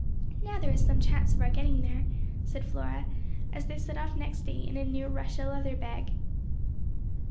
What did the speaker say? "Now there is some chance of our getting there," said Flora, as they set off next day in a new Russia leather bag.